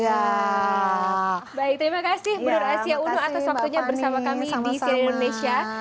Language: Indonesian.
baik terima kasih bu nur asia uno atas waktunya bersama kami di cnn indonesia